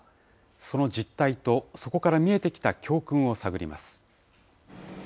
その実態と、そこから見えてきた教訓を探ります。